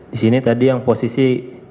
di sini tadi yang posisi tujuh belas